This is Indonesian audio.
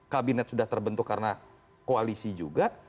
kabinet sudah terbentuk karena koalisi juga